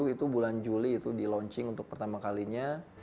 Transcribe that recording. dua ribu tujuh itu bulan juli itu di launching untuk pertama kalinya